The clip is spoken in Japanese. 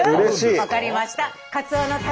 分かりました！